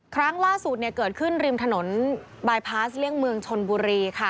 ครั้งล่าสุดเกิดขึ้นริมถนนบายพาสเลี่ยงเมืองชนบุรีค่ะ